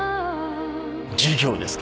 授業ですか。